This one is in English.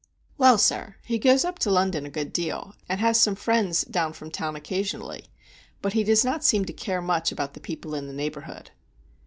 "Well, sir, he goes up to London a good deal, and has some friends down from town occasionally; but he does not seem to care much about the people in the neighborhood."